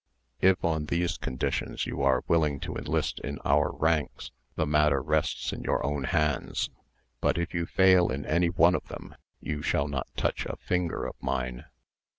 If on these conditions you are willing to enlist in our ranks, the matter rests in your own hands; but if you fail in any one of them, you shall not touch a finger of mine."